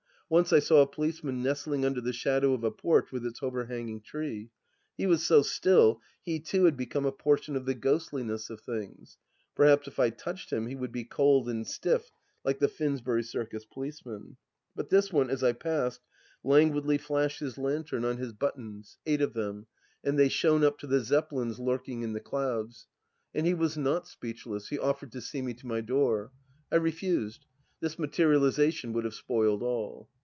Once I saw a policeman nestling under the shadow of a porch with its overhanging tree. He was so still, he too had become a portion of the ghostliness of things. Perhaps if I touched him he would be cold and stiff like the Finsbury Circus policeman. But this one, as I passed, languidly flashed his lantern on his 228 THE LAST DITCH buttons — eight of them — ^and they shone up to the Zeppelins lurking in the clouds. And he was not speechless ; he offered to see me to my door. I refused. This materializa tion would have spoiled all.